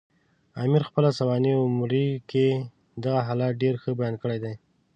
امیر پخپله سوانح عمري کې دغه حالت ډېر ښه بیان کړی دی.